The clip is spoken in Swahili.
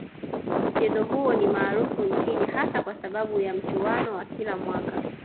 Mchezo huo ni maarufu nchini hasa kwa sababu ya mchuano wa kila mwaka